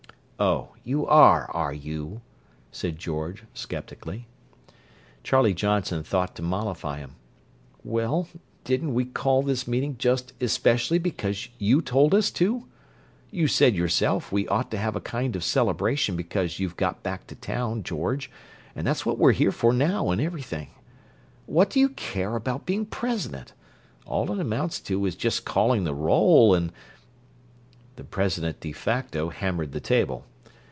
"Oh, you are, are you?" said George skeptically. Charlie Johnson thought to mollify him. "Well, didn't we call this meeting just especially because you told us to? You said yourself we ought to have a kind of celebration because you've got back to town, George, and that's what we're here for now, and everything. What do you care about being president? All it amounts to is just calling the roll and—" The president de facto hammered the table.